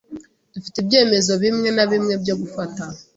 Dufite ibyemezo bimwe na bimwe byo gufata.